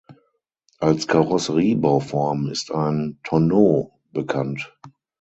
Als Karosseriebauform ist ein Tonneau bekannt.